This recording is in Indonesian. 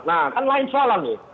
nah kan lain soalannya